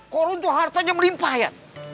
korun itu hartanya melimpah ya